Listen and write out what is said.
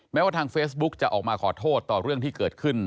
ว่าทางเฟซบุ๊กจะออกมาขอโทษต่อเรื่องที่เกิดขึ้น